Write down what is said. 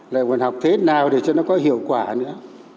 lại còn học thế nào để cho nó có hiệu quả nữa